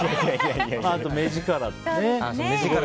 あと目力ね。